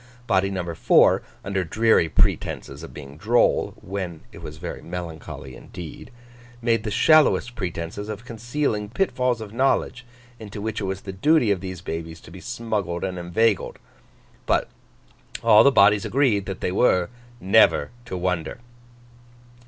Body number four, under dreary pretences of being droll (when it was very melancholy indeed), made the shallowest pretences of concealing pitfalls of knowledge, into which it was the duty of these babies to be smuggled and inveigled. But, all the bodies agreed that they were never to wonder.